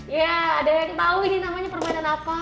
ya ada yang tahu ini namanya permainan apa